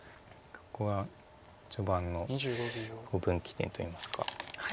ここは序盤の分岐点といいますか。